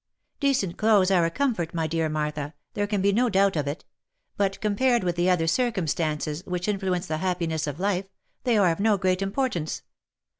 " Decent clothes are a comfort, my dear Martha, there can be no doubt of it ; but compared with the other circumstances which in fluence the happiness of life, they are of no great importance.